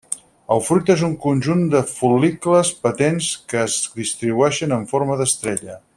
El fruit és un conjunt de fol·licles patents que es distribueixen en forma d'estrella.